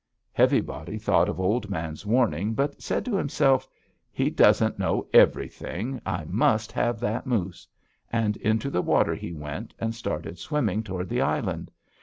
Heavy Body thought of Old Man's warning, but said to himself: 'He doesn't know everything. I must have that moose!' And into the water he went and started swimming toward the island.